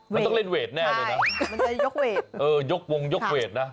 มันต้องเล่นเวทแน่เลยนะยกวงยกเวทนะ